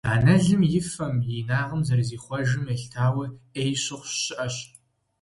Анэлым и фэм, и инагъым зэрызихъуэжым елъытауэ, «Ӏей» щыхъуж щыӀэщ.